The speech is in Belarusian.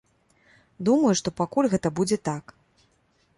Думаю, што пакуль гэта будзе так.